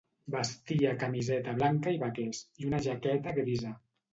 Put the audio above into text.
Vestia camiseta blanca i vaquers, i una jaqueta grisa.